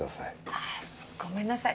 あぁごめんなさい。